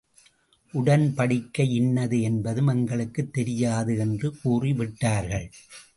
உடன்படிக்கை இன்னது என்பதும், எங்களுக்குத் தெரியாது என்று கூறி விட்டார்கள்.